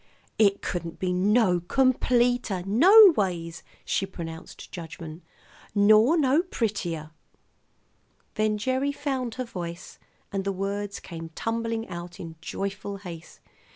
"It couldn't be no completer, no ways," she pronounced judgment. "Nor no prettier." Then Gerry found her voice, and the words came tumbling out in joyful haste.